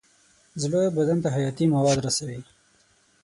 زړه بدن ته حیاتي مواد رسوي.